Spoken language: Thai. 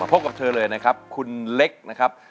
พบกับเธอเลยนะครับคุณเล็กนะครับ